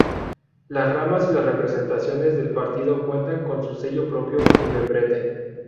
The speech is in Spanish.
Las ramas y las representaciones del partido cuentan con su sello propio y membrete.